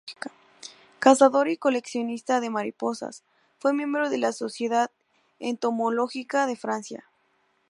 Cazador y coleccionista de mariposas, fue miembro de la Sociedad Entomológica de Francia.